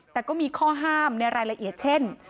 แต่ก็มีข้อห้ามในรายละเอียดเช่น